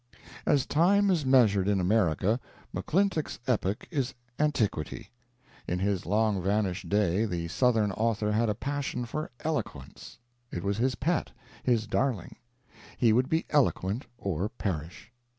As time is measured in America, McClintock's epoch is antiquity. In his long vanished day the Southern author had a passion for "eloquence"; it was his pet, his darling. He would be eloquent, or perish.